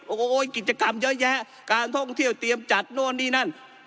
โอ้โหกิจกรรมเยอะแยะการท่องเที่ยวเตรียมจัดโน่นนี่นั่น